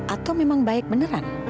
atau memang baik beneran